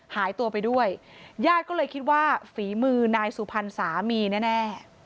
หายตัวไปด้วยญาติก็เลยคิดว่าฝีมือนายสุพรรณสามีแน่